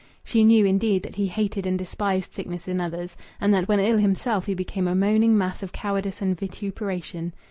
She knew, indeed, that he hated and despised sickness in others, and that when ill himself he became a moaning mass of cowardice and vituperation.